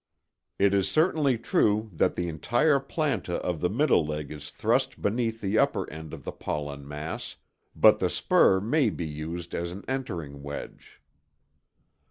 It is certainly true that the entire planta of the middle leg is thrust beneath the upper end of the pollen mass, but the spur may be used as an entering wedge.